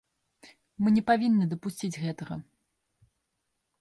Мы не павінны дапусціць гэтага.